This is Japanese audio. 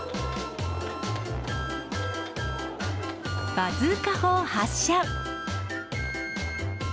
バズーカ砲発射。